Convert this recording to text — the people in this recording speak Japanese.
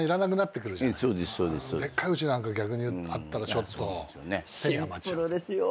でっかいうちなんか逆にあったらちょっと。